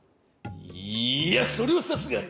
いやそれはさすがに！